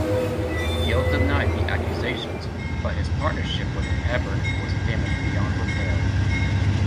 Gill denied the accusations, but his partnership with Hebbard was damaged beyond repair.